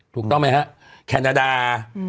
ถูกต้องไหมฮะแคนาดา